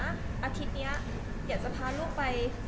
อาทิตย์นี้อยากจะพาลูกไป